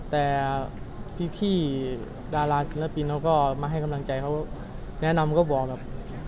แต่พี่ดาราศิลปินเขาก็มาให้กำลังใจเขาแนะนำก็บอกแบบ